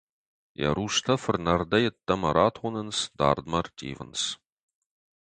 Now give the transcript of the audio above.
Йӕ рустӕ фырнӕрдӕй ӕддӕмӕ ратонынц, дардмӕ ӕрттивынц.